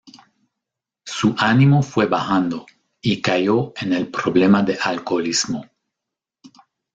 Su ánimo fue bajando y cayó en el problema de alcoholismo.